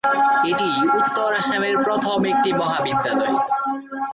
এটিই উত্তর আসামের প্ৰথম একটি মহাবিদ্যালয়।